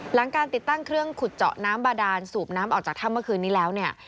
หลังการติดตั้งเครื่องขุดเจาะน้ำบาดานสูบน้ำออกจากถ้ำเมื่อคืนนี้แล้วเนี่ย